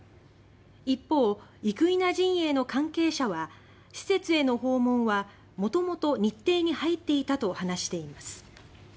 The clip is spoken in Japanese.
一方、生稲陣営の関係者は施設への訪問はもともと日程に入っていたと話しています。